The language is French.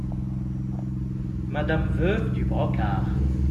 MADAME veuve DU BROCARD.